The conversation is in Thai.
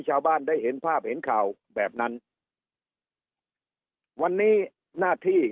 ชาวบ้านได้เห็นภาพเห็นข่าวแบบนั้นวันนี้หน้าที่